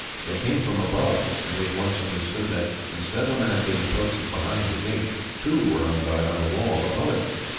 They came from above, and he at once understood that, instead of a man being posted behind the gate, two were on guard on the wall above it.